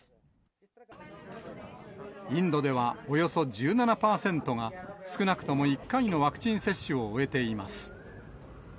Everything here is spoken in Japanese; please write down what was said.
インドではおよそ１７％が、少なくとも１回のワクチン接種を終えています。